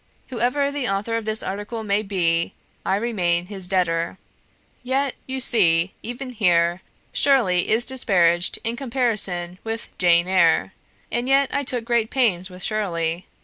Whoever the author of this article may be, I remain his debtor. "Yet, you see, even here, Shirley is disparaged in comparison with "Jane Eyre"; and yet I took great pains with Shirley.